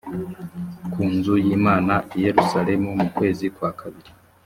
ku nzu y’imana i yerusalemu mu kwezi kwa kabiri